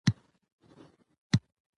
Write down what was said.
د ولس ګټې تر هر څه لوړې دي.